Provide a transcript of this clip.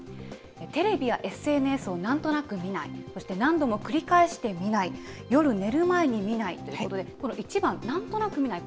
テレビやＳＮＳをなんとなく見ない、そして何度も繰り返して見ない、夜寝る前に見ないということで、この１番、なんとなく見ない。